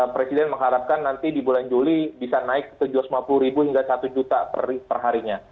presiden mengharapkan nanti di bulan juli bisa naik tujuh ratus lima puluh ribu hingga satu juta perharinya